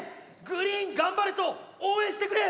グリーン頑張れと応援してくれ！